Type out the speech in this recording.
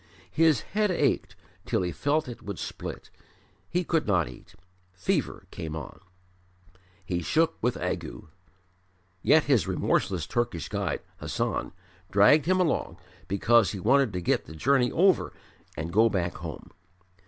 His head ached till he felt it would split; he could not eat; fever came on. He shook with ague. Yet his remorseless Turkish guide, Hassan, dragged him along, because he wanted to get the journey over and go back home.